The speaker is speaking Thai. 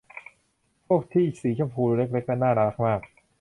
พวกที่สีชมพูเล็ก ๆ นั้นน่ารักมาก